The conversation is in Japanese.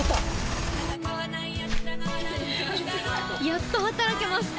やっと働けます！